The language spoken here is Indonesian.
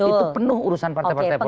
itu penuh urusan partai partai politik